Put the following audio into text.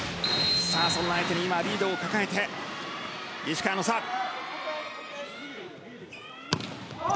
そんな相手に、今リードを抱えて石川のサーブ。